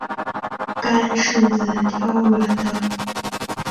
干柿子挑软的